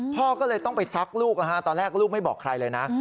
พ่อก็เลยต้องไปซักลูกตอนแรกลูกไม่บอกใครเลยนะ